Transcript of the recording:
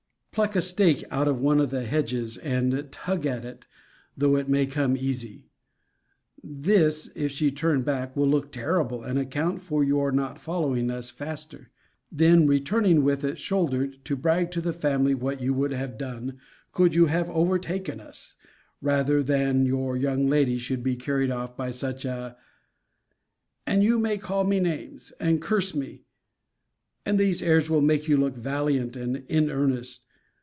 Pluck a stake out of one of the hedges: and tug at it, though it may come easy: this, if she turn back, will look terrible, and account for your not following us faster. Then, returning with it, shouldered, to brag to the family what you would have done, could you have overtaken us, rather than your young lady should be carried off by such a And you may call me names, and curse me. And these airs will make you look valiant, and in earnest.